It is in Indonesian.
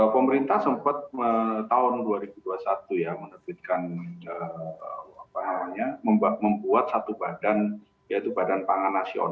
pemerintah sempat tahun dua ribu dua puluh satu ya menerbitkan membuat satu badan yaitu badan pangan nasional